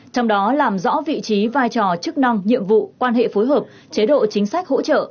trong đó làm rõ vị trí vai trò chức năng nhiệm vụ quan hệ phối hợp chế độ chính sách hỗ trợ